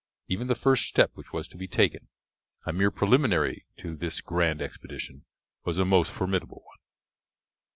Even the first step which was to be taken, a mere preliminary to this grand expedition, was a most formidable one.